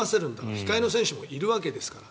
控えの選手もいるわけですから。